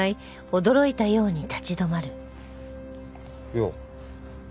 よう。